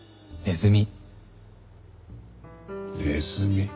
ネズミ。